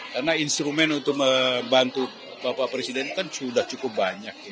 karena instrumen untuk membantu bapak presiden itu kan sudah cukup banyak